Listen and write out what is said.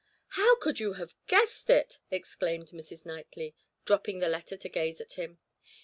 "How could you have guessed it?" exclaimed Mrs. Knightley, dropping the letter to gaze at him.